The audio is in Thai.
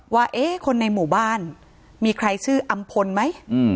ว่าคนในหมู่บ้านมีใครชื่ออำพลไหม